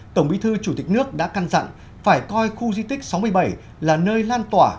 tổng bí thư chủ tịch nước đã căn dặn phải coi khu di tích sáu mươi bảy là nơi lan tỏa